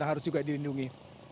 yang harus juga dilindungi